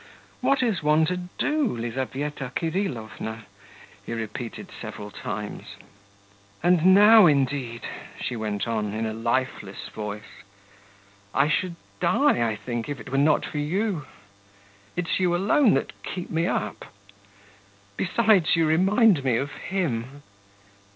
what is one to do, Lizaveta Kirillovna!' he repeated several times. 'And now indeed,' she went on in a lifeless voice, 'I should die, I think, if it were not for you. It's you alone that keep me up; besides, you remind me of him....